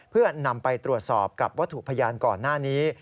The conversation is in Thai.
เพื่อนำไปตรวจสอบกับวัตถุพยานก่อนหน้านี้